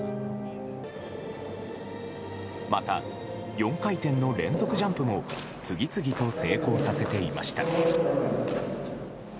また、４回転の連続ジャンプも次々と成功させていました。